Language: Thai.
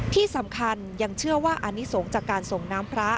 ที่สำคัญยังเชื่อว่าอนิสงฆ์จากการส่งน้ำพระ